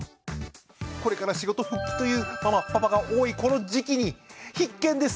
これから仕事復帰というママ・パパが多いこの時期に必見です！